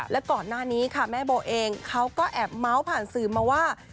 และก่อนหน้านี้ค่ะแม่โบเองเขาก็แอบเมาส์ผ่านสื่อมาว่า